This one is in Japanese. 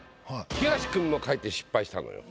東君も書いて失敗したのよ。